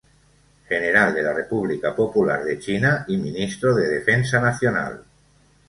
General de la República Popular de China y ministro de Defensa Nacional.